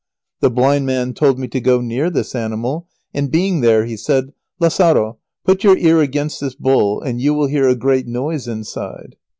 The blind man told me to go near this animal, and, being there, he said, "Lazaro, put your ear against this bull, and you will hear a great noise inside."